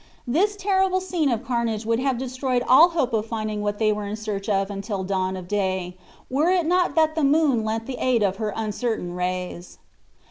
This terrible scene of carnage would have destroyed all hope of finding what they were in search of until dawn of day, were it not that the moon lent the aid of her uncertain rays.